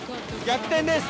逆転です！